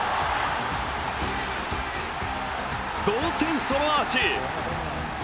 同点ソロアーチ！